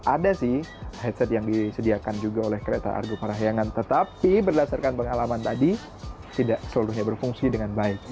ada sih headset yang disediakan juga oleh kereta argo parahyangan tetapi berdasarkan pengalaman tadi tidak seluruhnya berfungsi dengan baik